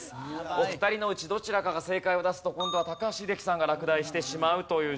お二人のうちどちらかが正解を出すと今度は高橋英樹さんが落第してしまうという状況。